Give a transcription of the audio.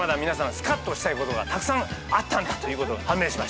スカッとしたいことがたくさんあったんだということが判明しました。